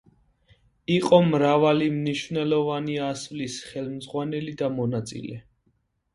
იყო მრავალი მნიშვნელოვანი ასვლის ხელმძღვანელი და მონაწილე.